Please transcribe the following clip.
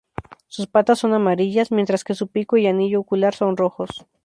Sus patas son amarillas, mientras que su pico y anillo ocular son rojos.